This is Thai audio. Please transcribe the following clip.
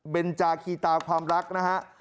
เป็นจาคีตาความรักนะฮะ